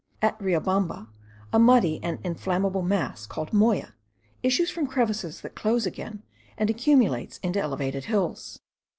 At Riobamba, a muddy and inflammable mass, called moya, issues from crevices that close again, and accumulates into elevated hills.